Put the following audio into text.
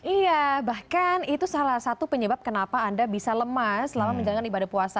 iya bahkan itu salah satu penyebab kenapa anda bisa lemah selama menjalankan ibadah puasa